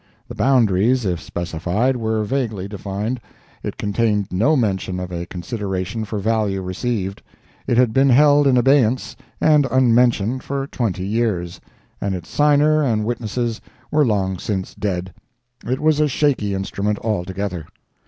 The boundaries, if specified, were vaguely defined; it contained no mention of a consideration for value received—it had been held in abeyance and unmentioned for twenty years, and its signer and witnesses were long since dead. It was a shaky instrument altogether.